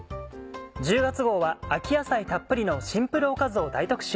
１０月号は秋野菜たっぷりのシンプルおかずを大特集。